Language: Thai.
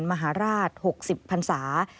มหาราช๖๐ภรรษา